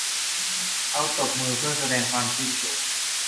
เขาตบมือเพื่อแสดงความชื่นชม